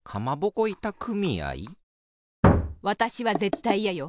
わたしはぜったいいやよ。